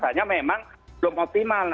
hanya memang belum optimal